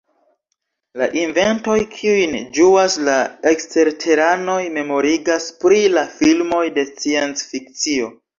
La inventoj kiujn ĝuas la eksterteranoj memorigas pri la filmoj de scienc-fikcio.